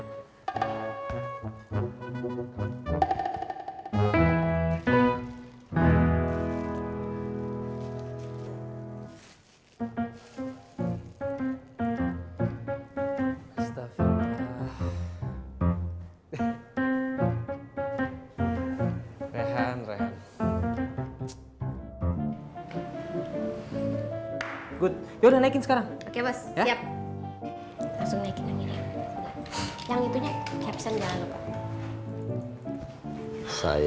ingin itu izin lebar